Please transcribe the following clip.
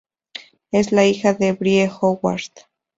Es la hija de Brie Howard.